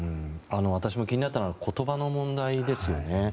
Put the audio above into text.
私も気になったのは言葉の問題ですよね。